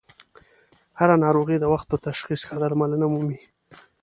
هر ه ناروغي د وخت په تشخیص ښه درملنه مومي.